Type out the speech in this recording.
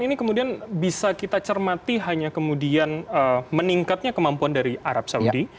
ini kemudian bisa kita cermati hanya kemudian meningkatnya kemampuan dari arab saudi